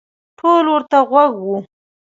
ټول ورته غوږ وو.